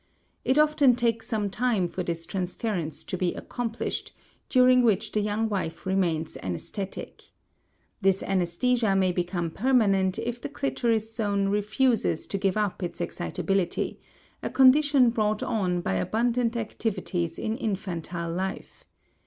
It often takes some time for this transference to be accomplished; during which the young wife remains anesthetic. This anesthesia may become permanent if the clitoris zone refuses to give up its excitability; a condition brought on by abundant activities in infantile life.